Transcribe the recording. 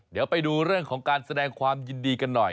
เดี๋ยวไปดูเรื่องของการแสดงความยินดีกันหน่อย